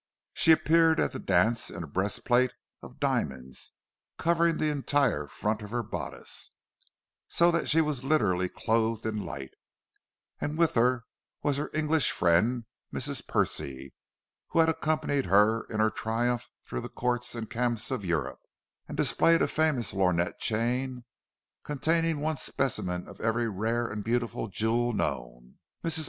She appeared at the dance in a breastplate of diamonds covering the entire front of her bodice, so that she was literally clothed in light; and with her was her English friend, Mrs. Percy, who had accompanied her in her triumph through the courts and camps of Europe, and displayed a famous lorgnette chain, containing one specimen of every rare and beautiful jewel known. Mrs.